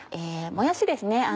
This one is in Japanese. もやしですね。